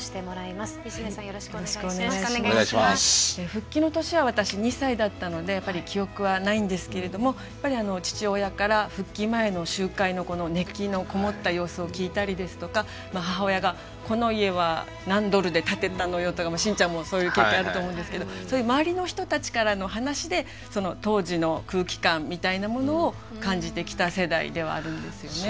復帰の年は私２歳だったのでやっぱり記憶はないんですけれどもやっぱり父親から復帰前の集会の熱気のこもった様子を聞いたりですとか母親が「この家は何ドルで建てたのよ」とかしんちゃんもそういう経験あると思うんですけどそういう周りの人たちからの話で当時の空気感みたいなものを感じてきた世代ではあるんですよね。